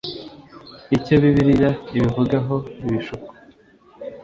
icyo bibiliya ibivugaho ibishuko